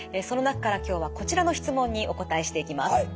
その中から今日はこちらの質問にお答えしていきます。